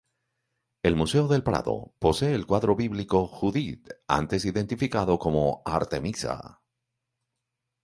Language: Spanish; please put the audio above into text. El Museo del Prado posee el cuadro bíblico "Judit", antes identificado como "Artemisa".